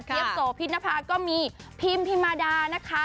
โสพิษนภาก็มีพิมพิมมาดานะคะ